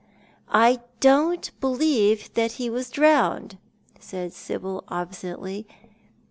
•'I don't believe that he was drowned," said Sibyl, obsti nately.